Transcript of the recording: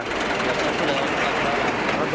biasanya lewat cibubur